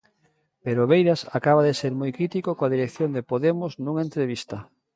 Pero Beiras acaba de ser moi crítico coa dirección de Podemos nunha entrevista.